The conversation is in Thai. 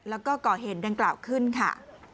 แล้วก็ก่อเหตุดังกล่าวขึ้นค่ะ